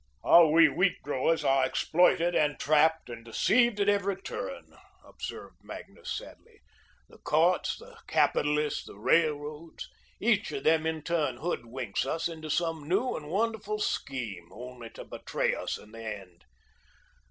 "How we wheat growers are exploited and trapped and deceived at every turn," observed Magnus sadly. "The courts, the capitalists, the railroads, each of them in turn hoodwinks us into some new and wonderful scheme, only to betray us in the end.